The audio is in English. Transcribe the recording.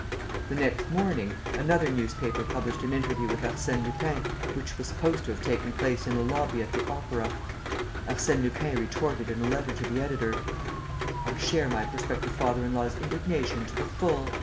The next morning, another newspaper published an interview with Arsène Lupin which was supposed to have taken place in a lobby at the Opera. Arsène Lupin retorted in a letter to the editor: "I share my prospective father in law's indignation to the full.